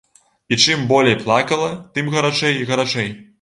І чым болей плакала, тым гарачэй і гарачэй.